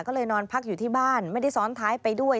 ก็เลยนอนพักอยู่ที่บ้านไม่ได้ซ้อนท้ายไปด้วย